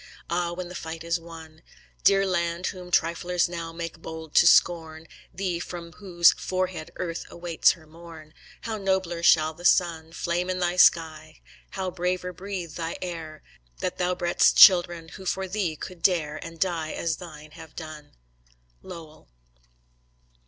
Ah, when the fight is won, Dear Land, whom triflers now make bold to scorn (Thee from whose forehead Earth awaits her morn), How nobler shall the sun Flame in thy sky, how braver breathe thy air, That thou bred'st children who for thee could dare And die as thine have done. Lowell.